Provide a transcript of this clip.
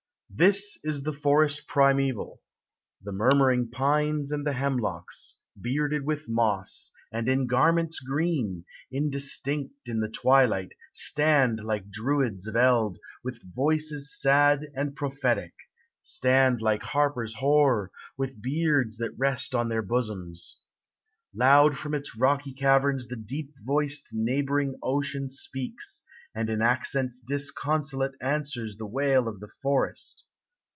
This is the forest primeval. The murmuring pines and the hemlocks, Bearded with moss, and in garments green, in distinct in the twilight, Stand like Druids of eld, with voices sad and prophetic, Stand like harpers hoar, with beards that rest on their bosoms. Loud from its rocky caverns, the deep voiced neighboring ocean Speaks, and in accents disconsolate answers the wail of the forest.